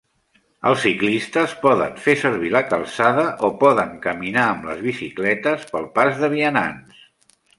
Els ciclistes poden fer servir la calçada o poden caminar amb les bicicletes pel pas de vianants.